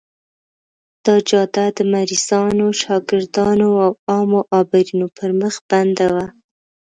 دا جاده د مریضانو، شاګردانو او عامو عابرینو پر مخ بنده وه.